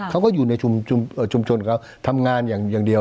เขาก็อยู่ในชุมชนเขาทำงานอย่างเดียว